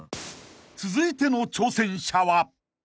［続いての挑戦者は］